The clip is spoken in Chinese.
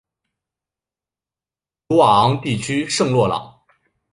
鲁瓦昂地区圣洛朗。